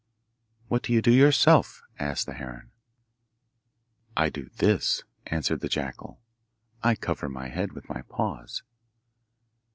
'What do you do yourself?' asked the heron. 'I do this,' answered the jackal. 'I cover my head with my paws.